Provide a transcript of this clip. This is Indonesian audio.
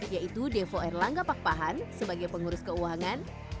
yaitu devo erlangga pakpahan sebagai pengurus keuangan